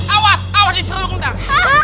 awas awas disuruh lo guntang